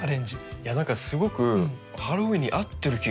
何かすごくハロウィーンに合ってる気がします。